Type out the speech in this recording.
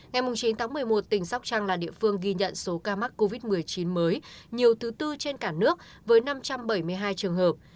ngày chín tháng một mươi một tỉnh sóc trăng là địa phương ghi nhận số ca mắc covid một mươi chín mới nhiều thứ tư trên cả nước với năm trăm bảy mươi hai trường hợp